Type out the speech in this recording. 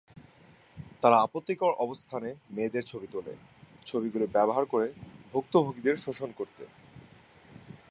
তারা আপত্তিকর অবস্থানে মেয়েদের ছবি তোলে, ছবিগুলি ব্যবহার করে ভুক্তভোগীদের শোষণ করতে।